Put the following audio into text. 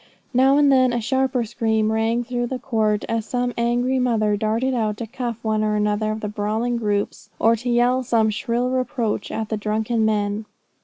Now and then a sharper scream rang through the court, as some angry mother darted out to cuff one or another of the brawling groups, or to yell some shrill reproach at the drunken men.